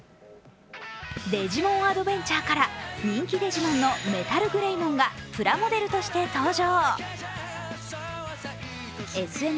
「デジモンアドベンチャー」から人気デジモンのメタルグレイモンがプラモデルとして登場。